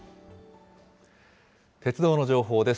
鉄道の情報です。